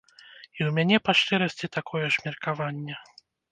І ў мяне, па шчырасці, такое ж меркаванне.